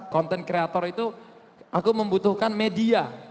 konten kreator itu aku membutuhkan media